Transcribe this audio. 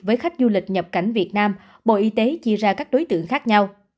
của các du lịch nhập cảnh việt nam bộ y tế chia ra các đối tượng khác nhau